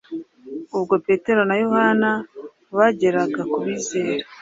Ubwo Petero na Yohana bageraga ku bizera